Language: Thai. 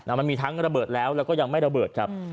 มันมีทั้งระเบิดแล้วแล้วก็ยังไม่ระเบิดครับ